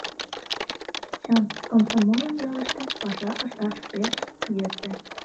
Чын, комсомоллан ялыште паша ышташ пеш йӧсӧ.